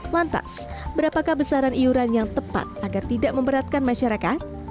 lantas berapakah besaran iuran yang tepat agar tidak memberatkan masyarakat